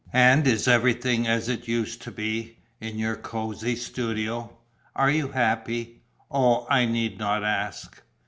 And is everything as it used to be, in your cosy studio? Are you happy? Oh, I need not ask!"